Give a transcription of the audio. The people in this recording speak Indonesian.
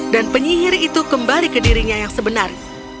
dan penyihir itu kembali ke dirinya yang sebenar